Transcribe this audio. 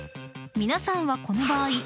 ［皆さんはこの場合］